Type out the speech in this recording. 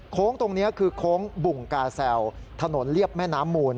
ตรงนี้คือโค้งบุ่งกาแซวถนนเรียบแม่น้ำมูล